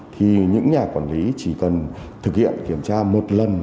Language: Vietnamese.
thì những nhà quản lý chỉ cần thực hiện kiểm tra một lần